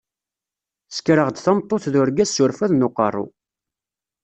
Sekraɣ-d tameṭṭut d urgaz s urfad n uqeṛṛu.